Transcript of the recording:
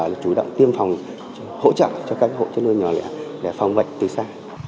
và là chủ động tiêm phòng hỗ trợ cho các hộ chân nuôi nhỏ lẻ để phòng vạch từ xa